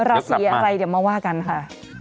ราศีอะไรเดี๋ยวมาว่ากันค่ะ